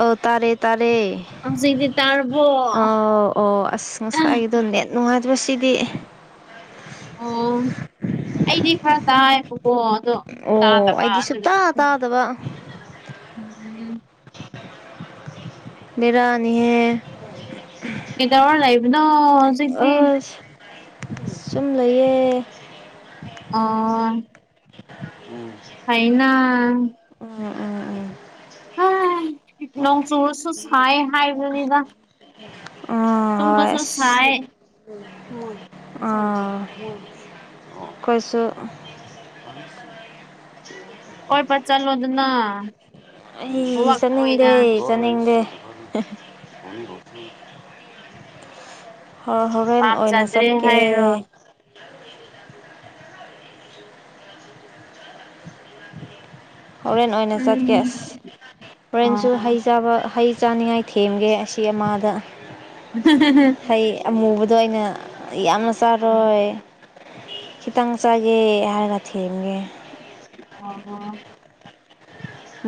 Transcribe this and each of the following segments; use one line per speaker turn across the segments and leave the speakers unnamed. ꯑ ꯇꯥꯔꯦ ꯇꯥꯔꯦ
ꯍꯧꯖꯤꯛꯇꯤ ꯇꯥꯔꯕꯣ
ꯑꯣ ꯑꯣ ꯑꯁ ꯉꯁꯥꯏꯒꯤꯗꯣ ꯅꯦꯠ ꯅꯨꯡꯉꯥꯏꯇ꯭ꯔꯣ ꯁꯤꯗꯤ
ꯑꯣ ꯑꯩꯗꯤ ꯈꯔ ꯇꯥꯏꯕꯀꯣ ꯑꯗꯣ ꯑꯃꯨꯛ
ꯑꯣ
ꯇꯥꯗꯕ
ꯑꯩꯗꯤ
ꯑꯗꯨꯒꯤ
ꯁꯨꯛꯇꯥ ꯇꯥꯗꯕ
ꯎꯝ
ꯕꯦꯔꯥꯅꯤꯍꯦ
ꯀꯩꯗꯧꯔ ꯂꯩꯕꯅꯣ ꯍꯧꯖꯤꯛꯇꯤ
ꯑꯁ ꯁꯨꯝ ꯂꯩꯌꯦ
ꯑ
ꯎꯝ
ꯐꯩꯅ
ꯎꯝ
ꯅꯣꯡ ꯆꯨꯨꯔꯁꯨ ꯁꯥꯏ ꯍꯥꯏꯕꯗꯅꯤꯗ
ꯑ ꯍꯣꯏ
ꯁꯥꯏ
ꯑꯥ ꯀꯣꯏꯁꯨ [unintelligible]
ꯀꯣꯏꯕ ꯆꯠꯂꯣꯗꯅ
ꯑꯩ
ꯋꯥꯛ ꯑꯣꯏꯅ
ꯆꯠꯅꯤꯡꯗꯦ ꯆꯠꯅꯤꯡꯗꯦ [unintelligible] ꯍꯣ ꯍꯣꯔꯦꯟ ꯑꯣꯏꯅ
ꯄꯥꯝꯖꯗ꯭ꯔꯦ
ꯆꯠꯀꯦ
ꯍꯥꯏꯔꯣ
ꯍꯣꯔꯦꯟ ꯑꯣꯏꯅ ꯆꯠꯀꯦ
ꯎꯝ
ꯑꯁ ꯍꯣꯔꯦꯟꯁꯨ
ꯑꯣ
ꯍꯩ ꯆꯥꯕ ꯍꯩ ꯆꯥꯅꯤꯡꯉꯥꯏ ꯊꯦꯝꯒꯦ ꯑꯁꯤ ꯑꯃꯥꯗ ꯍꯩ ꯑꯃꯨꯕꯗꯣ ꯑꯩꯅ ꯌꯥꯝꯅ ꯆꯥꯔꯣꯏ ꯈꯤꯇꯥꯡ ꯆꯒꯦ ꯍꯥꯏꯔꯒꯊꯦꯝꯒꯦ
ꯑꯣ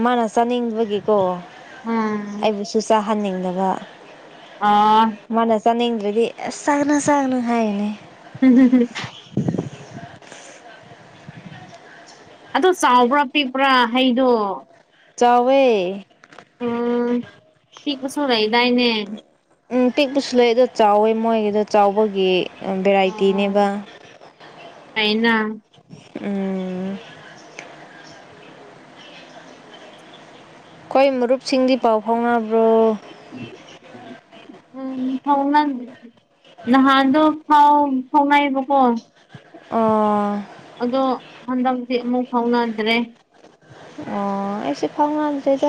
ꯃꯥꯅ ꯆꯥꯅꯤꯡꯕꯒꯤꯀꯣ
ꯎꯝ
ꯑꯩꯕꯨꯁꯨ ꯆꯥꯍꯟꯅꯤꯡꯗꯕ
ꯑꯥ
ꯃꯥꯅ ꯆꯥꯅꯤꯡꯗ꯭ꯔꯗꯤ ꯑꯁ ꯆꯥꯛꯅꯨ ꯆꯥꯛꯅꯨ ꯍꯥꯏꯅꯦ
[unintelligible] ꯑꯗꯣ ꯆꯥꯎꯕ꯭ꯔꯥ ꯄꯤꯛꯄ꯭ꯔꯥ ꯍꯩꯗꯣ
ꯆꯥꯎꯋꯦ
ꯎꯝ ꯄꯤꯛꯄꯥꯁꯨ ꯂꯩꯗꯥꯏꯅꯦ
ꯎꯝ ꯄꯤꯛꯄꯁꯨ ꯂꯩ ꯑꯗꯣ ꯆꯥꯎꯋꯦ ꯃꯣꯏꯒꯤꯗꯣ ꯆꯥꯎꯕꯒꯤ ꯚꯦꯔꯥꯏꯇꯤꯅꯦꯕ
ꯍꯥꯏꯅ
ꯎꯝ ꯈꯣꯏ ꯃꯔꯨꯞꯁꯤꯡꯗꯤ ꯄꯥꯎ ꯐꯥꯎꯅꯕ꯭ꯔꯣ
ꯎꯝ ꯍꯉ ꯅꯍꯥꯟꯗꯣ ꯍꯥꯎ ꯍꯥꯎꯅꯥꯏꯔꯤꯕ ꯀꯣ
ꯑꯣ
ꯑꯗꯣ ꯍꯟꯗꯛꯇꯤ ꯑꯃꯨꯛ ꯐꯥꯎꯅꯗ꯭ꯔꯦ
ꯑꯣ ꯑꯩꯁꯨ ꯈꯥꯎꯉꯗ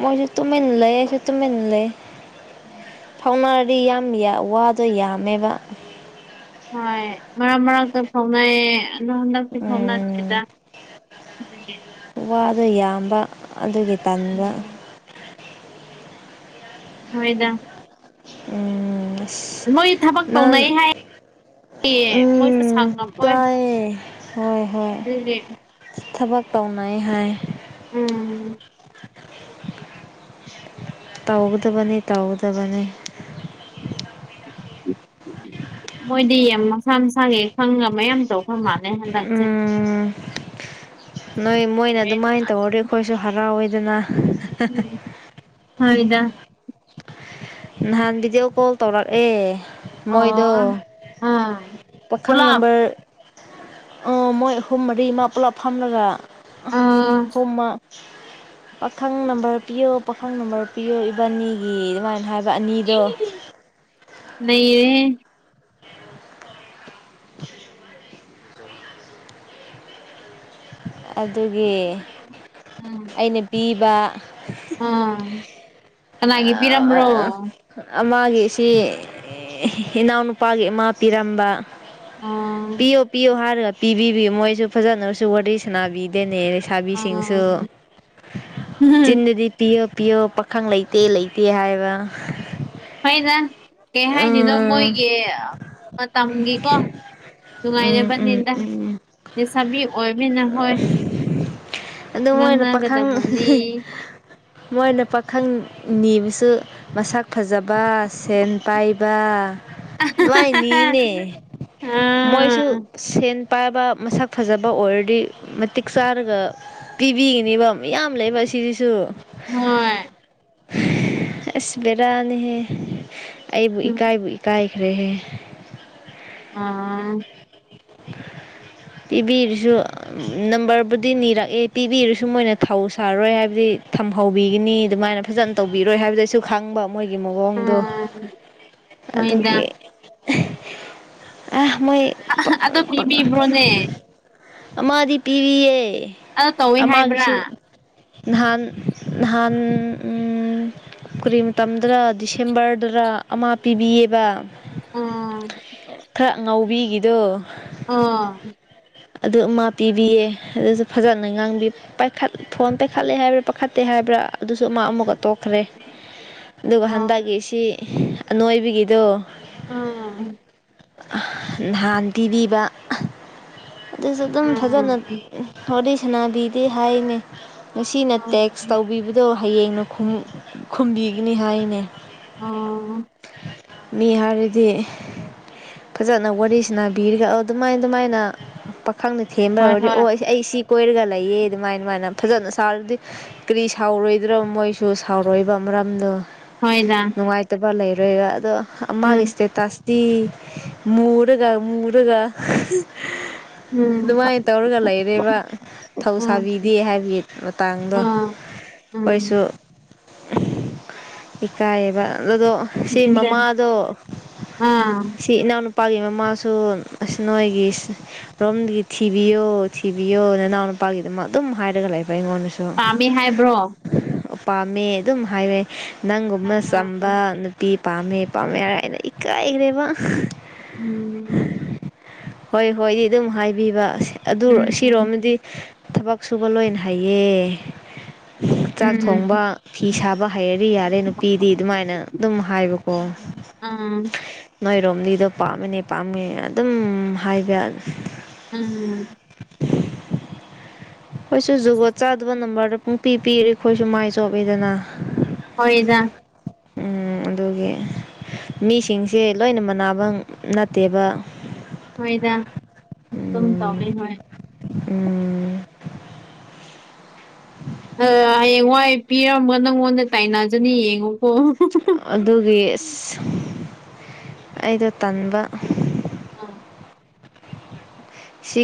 ꯃꯣꯏꯁꯨ ꯇꯨꯃꯤꯟꯅꯥ ꯂꯩꯥꯏꯌꯦ ꯑꯩꯁꯨ ꯇꯨꯃꯤꯟꯅꯥ ꯂꯩꯌꯦ꯫
[inaudible]
ꯐꯥꯎꯅꯔꯗꯤ ꯌꯥꯝ ꯋꯥꯗꯣ ꯌꯥꯝꯃꯦꯕ
ꯍꯣꯏ ꯃꯔꯛ ꯃꯔꯛꯇ ꯐꯥꯎꯅꯩꯌꯦ ꯫ ꯍ
ꯎꯝ
ꯐꯥꯎꯅꯆꯦꯗ
ꯋꯥꯗꯣ ꯌꯥꯝꯕ ꯑꯗꯨꯒꯤ ꯇꯟꯕꯥ
ꯎꯝ ꯍꯣꯏꯗ
ꯎꯝ ꯑꯁ
ꯃꯣꯏ ꯊꯕꯛ
ꯅꯪ
ꯇꯧꯅꯩ ꯍꯥꯏ ꯑꯦ ꯃꯣꯏꯁꯨ
ꯎꯝ
ꯁꯪꯉꯝꯃꯣꯏ
ꯇꯥꯏꯌꯦ ꯍꯣꯏ ꯍꯣꯏ
ꯑꯗꯨꯒꯤ
ꯊꯕꯛ ꯇꯧꯅꯩ ꯍꯥꯏ
ꯎꯝ
ꯇꯧꯒꯗꯕꯅꯤ ꯇꯧꯒꯗꯕꯅꯤ꯫
ꯃꯣꯏꯗꯤ ꯌꯥꯝ ꯃꯁꯥ ꯃꯁꯥꯒꯤ ꯈꯪꯅ ꯃꯌꯥꯝ ꯇꯧꯕꯥ ꯃꯥꯜꯂꯦ ꯍꯟꯗꯛꯁꯦ꯫
ꯎꯝ ꯅꯣꯏ ꯃꯣꯏꯅ
ꯍꯣꯔꯦꯟ
ꯑꯗꯨꯃꯥꯏꯅ
ꯑꯗꯨꯝ
ꯇꯧꯔꯗꯤ ꯑꯩꯈꯣꯏꯁꯨ ꯍꯔꯥꯎꯋꯤꯗꯅꯥ
ꯎꯝ ꯍꯣꯏꯗ
ꯅꯍꯥꯟ ꯚꯤꯗꯤꯑꯣ ꯀꯣꯜ ꯇꯧꯔꯛꯑꯦ ꯃꯣꯏꯗ
ꯑꯣ ꯑꯥ
ꯄꯥꯈꯪ
ꯄꯨꯂꯞ
ꯅꯝꯕꯔ ꯑꯣ ꯃꯣꯏ ꯍꯣ ꯔꯤꯃꯥ ꯄꯨꯂꯞ ꯐꯝꯂꯒ
ꯑꯥ
ꯍꯣꯃ ꯄꯥꯈꯪ ꯅꯝꯕꯔ ꯄꯤꯌꯣ ꯄꯥꯈꯪ ꯅꯝꯕꯔ ꯄꯤꯌꯣ ꯏꯕꯥꯅꯤꯒꯤ ꯑꯗꯨꯃꯥꯏꯅ ꯍꯥꯏꯕ ꯑꯅꯤꯗꯣ
ꯅꯩꯔꯦꯍꯦ
[inaudible] ꯑꯗꯨꯒꯤ
ꯎꯝ
ꯑꯩꯅ ꯄꯤꯕ
ꯑꯥ ꯀꯅꯥꯒꯤ ꯄꯤꯔꯝꯕ꯭ꯔꯣ?
ꯑꯃꯒꯤꯁꯤ ꯏꯅꯥꯎꯅꯨꯄꯥꯒꯤ ꯑꯃꯥ ꯄꯤꯔꯝꯕ
ꯑꯥ
ꯄꯤꯌꯣ ꯄꯤꯌꯣ ꯍꯥꯏꯔꯒ ꯄꯤꯕꯤꯕꯤ ꯃꯣꯏꯁꯨ ꯐꯖꯅꯁꯨ ꯋꯥꯔꯤ ꯁꯅꯥꯕꯤꯗꯦꯅꯦ꯫ ꯥꯁꯕꯤꯁꯤꯡꯁꯨ
ꯑꯥ
ꯆꯤꯟꯗꯗꯤ ꯄꯤꯌꯣ ꯄꯤꯌꯣ ꯄꯥꯈꯪ ꯂꯩꯇꯦ ꯂꯩꯇꯦ ꯍꯥꯏꯕ
ꯍꯣꯏꯅ ꯀꯩ ꯍꯥꯏꯗꯣꯏꯅꯣ
ꯎꯝ
ꯃꯣꯏꯒꯤ ꯃꯇꯝꯒꯤꯀꯣ
ꯎꯝ ꯎꯝ
ꯅꯨꯡꯉꯥꯏꯅꯕꯅꯤꯗ
ꯎꯝ
ꯅꯤꯁꯥꯕꯤ ꯑꯣꯏꯕꯅ ꯃꯣꯏ
ꯑꯗꯨ ꯃꯣꯏꯅ ꯄꯥꯈꯪ
ꯉꯥꯡꯅꯒꯗꯕꯅꯤ
ꯃꯣꯏꯅ ꯄꯥꯈꯪ ꯅꯤꯕꯁꯨ ꯃꯁꯛ ꯐꯖꯕ ꯁꯦꯟ ꯄꯥꯏꯕ ꯂꯋꯥꯏꯅꯤ ꯃꯣꯏꯁꯨ
ꯑꯥ
ꯁꯦꯟ ꯄꯥꯏꯕ ꯃꯁꯛ ꯐꯖꯕ ꯑꯣꯏꯔꯗꯤ ꯃꯇꯤꯛ ꯆꯥꯔꯒ ꯄꯤꯕꯤꯅꯤꯕ ꯃꯌꯥꯝ ꯂꯩꯕ ꯑꯁꯤꯁꯤꯁꯨ
ꯍꯣꯏ
ꯑꯁ ꯕꯦꯔꯥꯅꯤꯍꯦ ꯑꯩꯕꯨ ꯏꯀꯥꯏꯕꯤ ꯇꯥꯏꯈꯔꯦꯍꯦ
ꯎꯝ
ꯄꯤꯕꯤꯔꯤꯁꯨ ꯅꯝꯕꯔꯕꯨꯗꯤ ꯅꯤꯔꯛ ꯑꯦ ꯄꯤꯕꯤꯔꯨꯁꯨ ꯃꯣꯏꯅ ꯊꯧ ꯁꯥꯔꯣꯏ ꯍꯥꯏꯕꯗꯤ ꯊꯝꯍꯧꯕꯤꯒꯅꯤ ꯑꯗꯨꯃꯥꯏꯅ ꯐꯖꯅ ꯇꯧꯕꯤꯔꯣꯏ ꯍꯥꯏꯕꯗ ꯑꯩꯁꯨ ꯈꯪꯕ ꯃꯣꯏꯒꯤ ꯃꯑꯣꯡꯗꯣ
ꯑꯥ ꯍꯣꯏꯗ
ꯑꯗꯨꯒꯤ ꯑꯥ ꯃꯣꯏ
ꯑꯗꯣ ꯄꯤꯕꯤꯕ꯭ꯔꯣꯅꯦ
[unintelligible] ꯑꯃꯗꯤ ꯄꯤꯔꯤꯌꯦ
ꯑꯗꯣ ꯇꯧꯋꯦ ꯍꯥꯏꯕ꯭ꯔꯥ
ꯑꯃꯒꯤꯁꯨ ꯅꯍꯥꯟ ꯅꯍꯥꯟ ꯎꯝ ꯀꯔꯤ ꯃꯇꯝꯗꯔꯥ ꯗꯤꯁꯦꯝꯕꯔꯗꯔꯥ ꯑꯃ ꯄꯤꯕꯤꯌꯦꯕ
ꯑꯣ
ꯈꯔ ꯉꯥꯎꯕꯤꯒꯤꯗꯣ
ꯑꯥ
ꯑꯗꯨ ꯑꯃ ꯄꯤꯕꯤꯌꯦ ꯑꯗꯨꯁꯨ ꯐꯖꯅ ꯉꯥꯡꯕꯤ ꯥꯄꯥꯏꯈꯠ ꯐꯣꯟ ꯄꯥꯏꯈꯠꯂꯦ ꯍꯥꯏꯕ꯭ꯔꯥ ꯄꯥꯏꯈꯠꯇꯦ ꯍꯥꯏꯕ꯭ꯔꯥ ꯑꯗꯨꯁꯨ ꯑꯃ ꯑꯃꯒ ꯇꯣꯛꯈ꯭ꯔꯦ ꯑꯗꯨꯒ ꯍꯟꯗꯛꯒꯤꯁꯤ ꯑꯅꯣꯏꯕꯒꯤꯗꯣ ꯅꯍꯥꯟ ꯄꯤꯕꯤꯕ ꯑꯗꯨꯁꯨ ꯑꯗꯨꯝ ꯐꯖꯅ ꯋꯥꯔꯤ ꯁꯥꯟꯅꯥꯕꯤꯗꯦ ꯍꯥꯏꯅꯦ ꯉꯁꯤꯅ ꯇꯦꯛꯁ ꯇꯧꯕꯤꯕꯗꯣ ꯍꯌꯦꯡꯅ ꯈꯨꯝ ꯈꯨꯝꯕꯤꯒꯅꯤ ꯍꯥꯏꯅꯦ
ꯑꯣ
ꯃꯤ ꯍꯥꯏꯔꯗꯤ ꯐꯖꯅ ꯋꯥꯔꯤ ꯁꯤꯅꯥꯕꯤꯔꯒ ꯑꯗꯨꯃꯥꯏ ꯑꯗꯨꯃꯥꯏꯅ ꯄꯥꯈꯪꯗ ꯊꯦꯝꯕ
ꯍꯣꯏ
ꯑꯣꯏꯔꯗꯤ ꯑꯣ
ꯍꯣꯏ
ꯑꯩ ꯑꯩꯁꯤ ꯀꯣꯏꯔꯒ ꯂꯩꯌꯦ ꯑꯗꯨꯃꯥꯏ ꯑꯗꯨꯃꯥꯏꯅ ꯐꯖꯅ ꯁꯥꯔꯗꯤ ꯀꯔꯤ ꯁꯥꯎꯔꯣꯏꯗ꯭ꯔꯣ ꯃꯣꯏꯁꯨ ꯁꯥꯎꯔꯣꯏꯕ ꯃꯔꯝꯗꯣ
ꯍꯣꯏꯗꯥ
ꯅꯨꯡꯉꯥꯏꯇꯕ ꯂꯩꯔꯦꯔꯥ ꯑꯗꯣ ꯃꯥꯒꯤ ꯏꯁꯇꯦꯇꯥꯁ ꯇꯤ ꯃꯨꯔꯒ ꯃꯨꯔꯒ
ꯎꯝ
ꯑꯗꯨꯃꯥꯏ ꯇꯧꯔꯒ ꯂꯩꯔꯦꯕ
ꯎꯝ
ꯊꯧꯁꯥꯕꯤꯗꯦ ꯍꯥꯏꯕꯒꯤ ꯃꯇꯥꯡꯗꯣ
ꯑ ꯎꯝ
ꯑꯩꯈꯣꯏꯁꯨ ꯏꯀꯥꯏꯌꯦꯕ ꯑꯗꯨꯗꯣ ꯁꯤ ꯃꯃꯥꯗꯣ
ꯑꯥ
ꯁꯤ ꯏꯅꯥꯎꯅꯨꯄꯥꯒꯤ ꯃꯃꯥꯁꯨ ꯑꯁ ꯅꯣꯏꯒꯤ ꯔꯣꯝꯗꯒꯤ ꯊꯤꯕꯤꯌꯣ ꯊꯤꯕꯤꯌꯣ ꯅꯅꯥꯎ ꯅꯨꯄꯥꯒꯤꯗꯃꯛ ꯑꯗꯨꯝ ꯍꯥꯏꯔꯒ ꯂꯩꯕ ꯑꯩꯉꯣꯟꯗꯁꯨ
ꯄꯥꯝꯃꯦ ꯍꯥꯏꯕ꯭ꯔꯣ
ꯄꯥꯝꯃꯦ ꯑꯗꯨꯝ ꯍꯥꯏꯋꯦ ꯅꯪꯒꯨꯝꯅ ꯆꯝꯕ
ꯎꯝ
ꯅꯨꯄꯤ ꯄꯥꯝꯃꯦ ꯄꯥꯝꯃꯦ ꯍꯥꯏꯔꯥ ꯑꯩꯅ ꯏꯀꯥꯏꯒ꯭ꯔꯦꯕ
ꯎꯝ
ꯍꯣꯏ ꯍꯣꯏꯗꯤ ꯑꯗꯨꯝ ꯍꯥꯏꯕꯤꯕ ꯑꯗꯨ
ꯎꯝ ꯎꯝ
ꯁꯤꯔꯣꯝꯗꯗꯤ ꯊꯕꯛ ꯁꯨꯕ ꯂꯣꯏꯅ ꯍꯩꯌꯦ ꯆꯥꯛ ꯊꯣꯡꯕ ꯐꯤ ꯁꯥꯕ ꯍꯩꯔꯗꯤ ꯌꯥꯔꯦ ꯅꯨꯄꯤꯗꯤ ꯑꯗꯨꯃꯥꯏꯅ ꯑꯗꯨꯝ ꯍꯥꯏꯕꯀꯣ
ꯑꯝ
ꯅꯣꯏꯔꯣꯝꯗꯤꯗꯣ ꯄꯥꯝꯃꯤꯅꯦ ꯄꯥꯝꯃꯤ ꯑꯗꯨꯝ ꯍꯥꯏꯕ
ꯎꯝ
ꯑꯩꯈꯣꯏꯁꯨ ꯖꯨꯕꯣꯠ ꯆꯥꯗꯕ ꯅꯝꯕꯔꯗ ꯄꯨꯡ ꯄꯤ ꯄꯤꯔꯤ ꯑꯩꯈꯣꯏꯁꯨ ꯃꯥꯏ ꯆꯣꯞꯂꯤꯗꯅ
ꯍꯣꯏꯗ
ꯎꯝ ꯑꯗꯨꯒꯤ ꯃꯤꯁꯤꯡꯁꯦ ꯂꯣꯏꯅ ꯃꯅꯥꯕꯪ ꯅꯠꯇꯦꯕ
ꯍꯣꯏꯗ ꯑꯗꯨꯝ
ꯎꯝ
ꯇꯧꯔꯦ ꯍꯣꯏ
ꯎꯝ
ꯍꯌꯦꯡꯋꯥꯏ ꯄꯤꯔꯝꯒ ꯅꯪꯉꯣꯟꯗ ꯇꯥꯏꯅꯖꯅꯤ ꯌꯦꯡꯉꯣꯀꯣ
ꯑꯗꯨꯒꯤ ꯑꯁ ꯑꯩꯗꯣ ꯇꯟꯕꯥ
ꯎꯝ
ꯁꯤ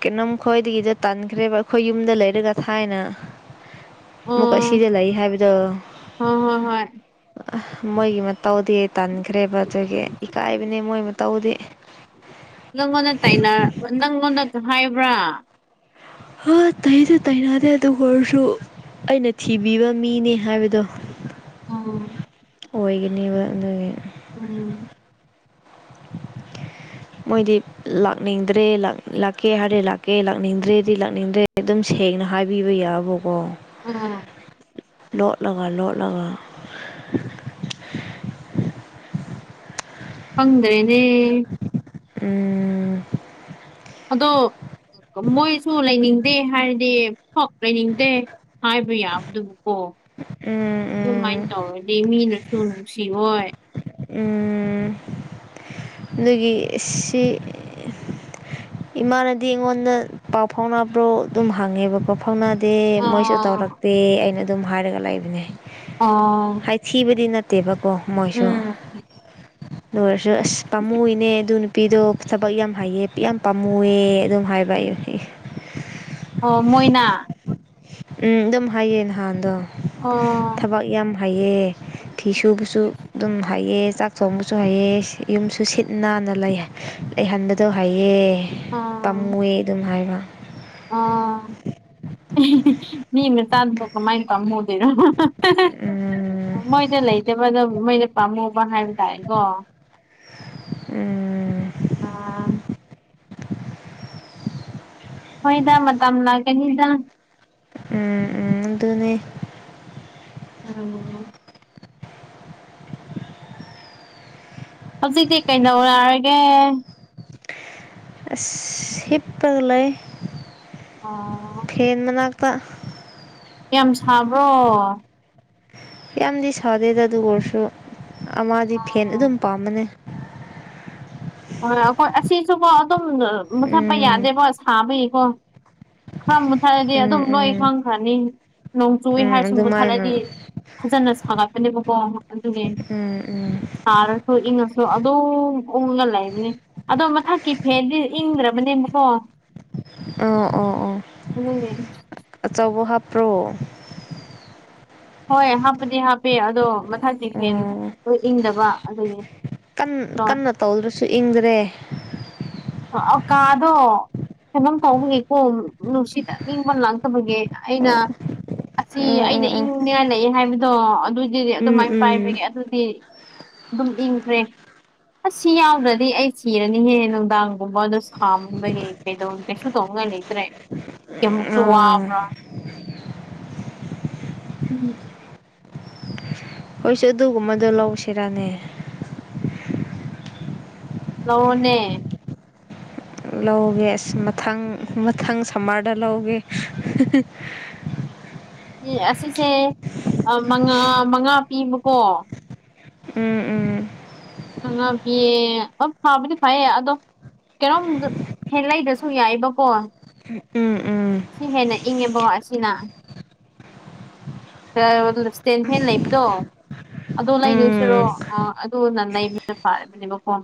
ꯀꯩꯅꯣꯝ ꯈꯣꯏꯗꯒꯤꯗ ꯇꯥꯟꯈ꯭ꯔꯦꯕ ꯑꯩꯈꯣꯏ ꯌꯨꯝꯗ ꯂꯩꯔꯒ ꯊꯥꯏꯅ
[inaudible]
ꯑꯃꯨꯛꯀꯥ ꯑꯁꯤꯗ ꯂꯩ ꯍꯥꯏꯕꯗꯣ
ꯍꯣꯏ ꯍꯣꯏ ꯍꯣꯏ
ꯑꯥ ꯃꯣꯏꯒꯤ ꯃꯇꯧꯗꯤ ꯇꯥꯟꯈ꯭ꯔꯦꯕ ꯑꯗꯨꯒꯤ ꯏꯀꯥꯏꯕꯅꯦ ꯃꯣꯏ ꯃꯇꯧꯗꯤ
ꯅꯪꯉꯣꯟꯗ ꯇꯥꯏꯅ ꯅꯪꯉꯣꯟꯗ ꯍꯥꯏꯕ꯭ꯔꯥ
ꯍꯣꯏ ꯇꯥꯏꯗꯤ ꯇꯥꯏꯅꯗꯦ ꯑꯗꯨ ꯑꯣꯏꯔꯁꯨ ꯑꯩꯅ ꯊꯤꯕꯤꯕ ꯃꯤꯅꯦ ꯍꯥꯏꯕꯗꯣ
ꯎꯝ
ꯑꯣꯏꯒꯅꯦꯕ ꯅꯣꯏꯒꯤ
ꯎꯝ
ꯃꯣꯏꯗꯤ ꯂꯥꯛꯅꯤꯡꯗ꯭ꯔꯦ ꯂꯥꯛꯀꯦ ꯍꯥꯏꯔꯦ ꯂꯥꯛꯀꯦ ꯂꯥꯛꯅꯤꯡꯗ꯭ꯔꯦꯗꯤ ꯂꯥꯛꯅꯤꯡꯗ꯭ꯔꯦ ꯑꯗꯨꯝ ꯁꯦꯡꯅ ꯍꯥꯏꯕꯤꯕ ꯌꯥꯕꯀꯣ
ꯎꯝ
ꯂꯣꯠꯂꯒ ꯂꯣꯠꯂꯒ
ꯐꯪꯗ꯭ꯔꯦꯅꯦ
ꯎꯝ
ꯑꯗꯣ ꯃꯣꯏꯁꯨ ꯂꯩꯅꯤꯡꯗꯦ ꯍꯥꯏꯔꯗꯤ ꯐꯛ ꯂꯩꯅꯤꯡꯗꯦ ꯍꯥꯏꯕ ꯌꯥꯕꯗꯨꯕꯨ ꯀꯣ
ꯎꯝ ꯎꯝ
ꯑꯗꯨꯃꯥꯏꯅ ꯇꯧꯔꯗꯤ ꯃꯤꯅꯁꯨ ꯅꯨꯡꯁꯤꯔꯣꯏ
ꯎꯝ ꯅꯣꯏꯒꯤ ꯁꯤ ꯏꯃꯥꯅꯗꯤ ꯑꯩꯉꯣꯟꯗ ꯄꯥꯎ ꯐꯥꯎꯅꯕ꯭ꯔꯣ ꯑꯗꯨꯝ ꯍꯥꯡꯉꯦꯕ ꯀꯣ ꯐꯥꯎꯅꯗꯦ ꯃꯣꯏꯁꯨ
ꯑꯣ
ꯇꯧꯔꯛꯇꯦ ꯑꯩꯅ ꯑꯗꯨꯝ ꯍꯥꯏꯔꯒ ꯂꯩꯕꯅꯦ
ꯑꯥ
ꯍꯥꯏꯊꯤꯕꯗꯤ ꯅꯠꯇꯦꯕꯀꯣ ꯃꯣꯏꯁꯨ
ꯎꯝ
ꯑꯗꯨ ꯑꯣꯏꯔꯁꯨ ꯑꯁ ꯄꯥꯝꯃꯨꯏꯅꯦ ꯑꯗꯨ ꯅꯨꯄꯤꯗꯣ ꯊꯕꯛ ꯌꯥꯝ ꯍꯩꯌꯦ ꯌꯥꯝ ꯄꯥꯝꯃꯨꯑꯦ ꯑꯗꯨꯝ ꯍꯥꯏꯕ ꯑꯩꯅ
ꯑꯣ ꯃꯣꯏꯅꯥ
ꯎꯝ ꯑꯗꯨꯝ ꯍꯥꯏꯌꯦ ꯅꯍꯥꯟꯗꯣ
ꯑꯣ
ꯊꯕꯛ ꯌꯥꯝ ꯍꯩꯑꯦ ꯐꯤ ꯁꯨꯕꯁꯨ ꯑꯗꯨꯝ ꯍꯩꯑꯦ ꯆꯥꯛ ꯊꯣꯡꯕꯁꯨ ꯍꯩꯑꯦ ꯌꯨꯝꯁꯨ ꯁꯤꯠ ꯅꯥꯟꯅ ꯂꯩ ꯂꯩꯍꯟꯕꯗꯣ ꯍꯩꯑꯦ ꯄꯥꯝꯃꯨꯋꯦ ꯑꯗꯨꯝ ꯍꯥꯏꯕ
ꯑ ꯃꯤ ꯇꯥꯗ ꯂ ꯃꯥꯥꯏꯟ ꯈꯝ ꯃꯗꯔꯣ
ꯎꯝ
ꯃꯣꯏꯗ ꯂꯩꯇꯕꯗꯣ ꯃꯣꯏꯗ ꯄꯥꯝꯃꯨꯕ ꯍꯥꯏꯕ ꯇꯥꯔꯦꯀꯣ
ꯎꯝ
ꯑꯥ ꯍꯣꯏꯗ ꯃꯇꯝ ꯂꯥꯛꯀꯅꯤꯗ
ꯎꯝ ꯎꯝ ꯑꯦꯗꯅꯦ
ꯎꯝ ꯍꯧꯖꯤꯛꯇꯤ ꯀꯩꯅꯧꯔꯥꯛꯔꯒꯦ
ꯑꯁ ꯁꯤꯞꯄꯒꯂ ꯂꯩ
ꯑꯣ
ꯐꯦꯟ ꯃꯅꯥꯛꯇꯥ
ꯌꯥꯝ ꯁꯥꯕ꯭ꯔꯣ
ꯌꯥꯝꯗꯤ ꯁꯥꯗꯦꯗ ꯑꯗꯨ ꯑꯣꯏꯔꯁꯨ ꯑꯃꯗꯤꯗꯤ ꯐꯦꯟ ꯑꯗꯨꯝ ꯄꯥꯝꯕꯅꯦ
ꯍꯣꯏ ꯑꯩꯈꯣꯏ ꯑꯁꯤꯁꯨꯕꯣ ꯑꯗꯨꯝ ꯃꯨꯊꯠꯄ
ꯎꯝ
ꯌꯥꯗꯦꯕꯣ ꯁꯥꯕꯒꯤꯀꯣ ꯈꯪ ꯃꯨꯠꯊꯠꯂꯗꯤ
ꯎꯝ
ꯑꯗꯨꯝ ꯅꯣꯏ
ꯎꯝ
ꯈꯪꯈ꯭ꯔꯅꯤ ꯅꯣꯡ ꯆꯨꯏ
ꯎꯝ
ꯍꯥꯏꯔꯁꯨ
ꯑꯗꯨꯃꯥꯏꯅ
ꯃꯨꯠꯊꯠꯂꯗꯤ ꯐꯖꯅ ꯁꯥꯒꯠꯄꯅꯦꯕꯀꯣ ꯑꯗꯨꯒꯤ
ꯎꯝ ꯎꯝ
ꯇꯥꯔꯁꯨꯣ ꯏꯅꯁꯣ ꯑꯗꯣ ꯎꯉ ꯂꯩꯦ ꯑꯗꯣ ꯃꯊꯛꯀꯤ ꯐꯦꯟꯗꯤ ꯏꯪꯗ꯭ꯔꯕꯅꯦꯕꯀꯣ
ꯑꯣ ꯑꯣ ꯑꯣ
ꯑꯗꯨꯒꯤ
ꯑꯆꯧꯕ ꯍꯥꯞꯄ꯭ꯔꯣ
ꯍꯣꯏ ꯍꯥꯞꯄꯗꯤ ꯍꯥꯞꯄꯤꯦ ꯑꯗꯣ ꯃꯊꯛꯁ ꯍꯦꯟ
ꯑꯣ
ꯏꯪꯗꯕ ꯑꯗꯨꯅꯦ
ꯀꯟꯅ ꯇꯧꯗ꯭ꯔꯁꯨ ꯏꯪꯗ꯭ꯔꯦ
ꯀꯥꯗꯣ ꯀꯩꯅꯣꯝ ꯇꯧꯕꯈꯤꯒꯦꯀꯣ ꯅꯨꯡꯁꯤꯠꯇ ꯑꯏꯪꯕ ꯂꯥꯛꯇꯕꯒꯤ
ꯎꯝ
ꯑꯩꯅ ꯑꯁꯤ ꯑꯩꯅ
ꯎꯝ ꯎꯝ
ꯏꯪꯅꯤꯡꯉꯜꯂꯛꯑꯦ ꯍꯥꯏꯕꯗꯣ ꯑꯗꯨꯗꯤ
ꯎꯝ
ꯑꯗꯨꯃꯥꯏꯅ
ꯎꯝ
ꯄꯥꯏꯕꯒꯦ ꯑꯗꯨꯗꯤ ꯑꯗꯨꯝ ꯏꯪꯈ꯭ꯔꯦ ꯑꯁ ꯁꯤ ꯌꯥꯎꯗ꯭ꯔꯗꯤ ꯑꯩ ꯁꯤꯔꯅꯤꯍꯦ ꯅꯨꯡꯗꯥꯡ ꯒꯨꯝꯕꯗꯣ ꯁꯃꯟꯕꯒꯤꯩ ꯀꯩꯁꯨ ꯇꯧꯉ ꯂꯩꯇ꯭ꯔꯦ ꯀꯩꯃꯨꯛꯁꯨ
ꯑꯥ
ꯋꯥꯕ꯭ꯔꯥ
[inaudible]
ꯎꯝ
ꯑꯩꯏꯁꯨ ꯑꯗꯨꯒꯨꯝꯕꯗꯣ ꯂꯧꯁꯤꯔꯅꯦ
ꯅꯣꯅꯦ
ꯂꯧꯒꯦ ꯑꯁ ꯃꯊꯪ ꯃꯊꯪ ꯁꯝꯃꯔꯗ ꯂꯧꯒꯦ
ꯑꯁꯤꯁꯦ ꯃꯉꯥ ꯃꯉꯥ ꯄꯤꯕꯀꯣ
ꯎꯝ ꯎꯝ
ꯉꯉꯥꯕꯤꯌꯦ ꯑꯞ ꯐꯥꯕꯗꯤ ꯐꯩꯌꯦ ꯑꯗꯣ ꯀꯩꯅꯣꯝ ꯍꯦꯜꯂꯩꯗꯁꯨ ꯌꯥꯏꯕꯀꯣ
ꯎꯝ ꯎꯝ
ꯁꯤ ꯍꯦꯟꯅ ꯏꯪꯉꯦꯕꯀ ꯑꯁꯤꯅ ꯁꯇꯦꯟ ꯐꯦꯟ ꯂꯩꯕꯗꯣ ꯑꯗꯣ
ꯎꯝ
ꯂꯩꯗꯣꯏꯁꯤꯔꯣ ꯑꯗꯨ ꯅ ꯂꯩꯕꯅ ꯐꯥꯔꯤꯕꯅꯦꯕ ꯐꯣꯟ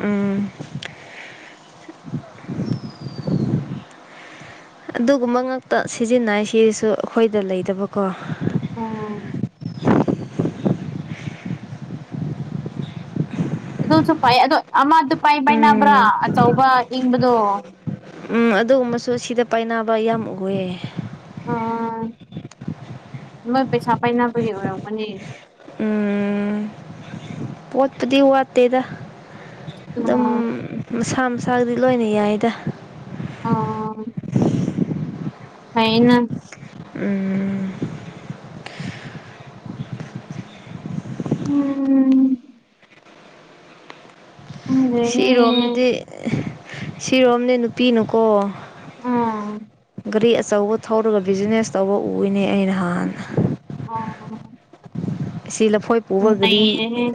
ꯎꯝ ꯑꯗꯨꯒꯨꯝꯕ ꯉꯥꯛꯇ ꯁꯤꯖꯤꯟꯅꯩ ꯁꯤꯁꯨ ꯑꯩꯈꯣꯏꯗ ꯂꯩꯗꯕꯀꯣ
ꯎꯝ ꯑꯗꯨꯁꯨ ꯐꯥꯏ ꯑꯗꯣ ꯑꯃꯗꯨ ꯄꯥꯏ ꯄꯥꯏꯅꯕ꯭ꯔꯥ
ꯎꯝ
ꯑꯆꯧꯕ ꯏꯪꯕꯗꯣ
ꯎꯝ ꯑꯗꯨꯒꯨꯝꯕꯁꯨ ꯁꯤꯗ ꯄꯥꯏꯅꯕ ꯌꯥꯝ ꯎꯑꯌꯦ
ꯑꯣ ꯃꯣꯏ ꯄꯩꯁꯥ ꯄꯥꯏꯅꯕꯒꯤ ꯑꯣꯏꯔꯛꯄꯅꯤ
ꯎꯝ ꯄꯣꯠꯄꯨꯗꯤ ꯋꯥꯠꯇꯦꯗꯥ ꯑꯗꯨꯝ
ꯑꯣ
ꯃꯁꯥ ꯃꯁꯥꯒꯤꯗꯤ ꯂꯣꯏꯅ ꯌꯥꯏꯗ
ꯑ ꯑꯩꯅꯥ
ꯎꯝ
ꯎꯝ ꯈꯪꯗ꯭ꯔꯦꯅꯦ
ꯁꯤꯔꯣꯝꯅꯗꯤ ꯁꯤꯔꯣꯝꯅꯦ ꯅꯨꯄꯤꯅꯨꯀꯣ
ꯎꯝ
ꯒꯥꯔꯤ ꯑꯆꯧꯕ ꯊꯧꯔꯒ ꯕꯤꯖꯤꯅꯦꯁ ꯇꯧꯕ ꯎꯏꯅꯦ ꯑꯩꯅ ꯍꯍꯥꯟꯅ
ꯑꯣ
ꯁꯤ ꯂꯐꯣꯏ ꯄꯨꯕ ꯒꯔꯤ
ꯅꯩꯔꯦꯍꯦ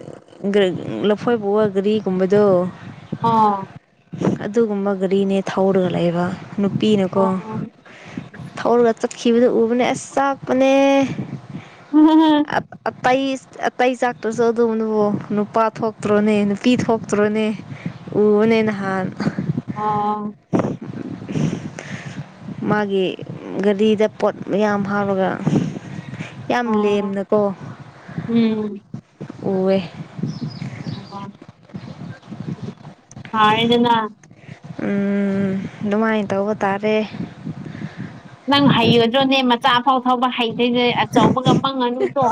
ꯂꯐꯣꯏ ꯄꯨꯕ ꯒꯔꯤꯒꯨꯝꯕꯗꯣ
ꯑꯣ
ꯑꯗꯨꯒꯨꯝꯕ ꯒꯥꯔꯤꯅꯦ ꯊꯧꯔꯒ ꯂꯩꯕ ꯅꯨꯄꯤꯅꯀꯣ
ꯑꯣ
ꯊꯧꯔꯒ ꯆꯠꯈꯤꯕꯗꯣ ꯎꯕꯅꯦ ꯑꯁ ꯆꯥꯛꯄꯅꯦ
ꯎꯝꯝ
ꯇꯩꯇꯩ ꯆꯥꯛꯇ꯭ꯔꯁꯨ ꯑꯗꯨꯧꯕꯅꯕꯣ ꯅꯨꯄꯥ ꯊꯣꯛꯇ꯭ꯔꯣꯅꯦ ꯄꯤꯊꯣꯛꯇ꯭ꯔꯣꯅꯦ ꯎꯕꯅꯦ ꯅꯍꯥꯟ
ꯑ
ꯃꯥꯒꯤ ꯒꯥꯔꯤꯗ ꯄꯣꯠ ꯃꯌꯥꯝ ꯍꯥꯞꯄꯒ ꯌꯥꯝ
ꯑꯣ
ꯂꯦꯝꯅꯀꯣ
ꯎꯝ
ꯎꯑꯦ
[unintelligible]
ꯎꯝ ꯗꯨꯃꯥꯏꯅ ꯇꯧꯕ ꯇꯥꯔꯦ
ꯅꯪ ꯍꯩꯔꯗꯨꯗꯤ ꯃꯆꯥꯐꯥꯎꯕ ꯊꯥꯎꯕ ꯍꯩꯇꯦꯅꯦ ꯑꯆꯧꯕꯒ ꯃꯪꯉꯅꯨ ꯇꯣꯛꯑꯣ